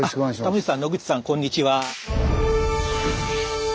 タモリさん野口さんこんにちは。